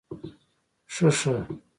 شه شه